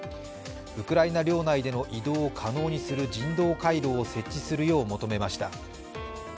ウクライナ領内での移動を可能にする人道回廊を設置するよう求めました。